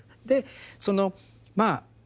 でそのまあ